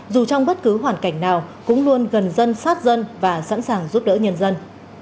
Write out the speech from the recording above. dù trong bất cứ hoàn cảnh nào cũng luôn gần dân sát dân và sẵn sàng giúp đỡ nhân dân